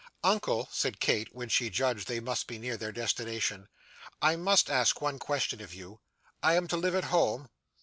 'Uncle,' said Kate, when she judged they must be near their destination, 'I must ask one question of you. I am to live at home?